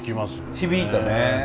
響いたね。